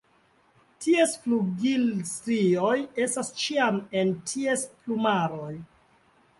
Ties flugilstrioj estas ĉiam en ties plumaroj.